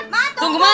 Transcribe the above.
mat tunggu men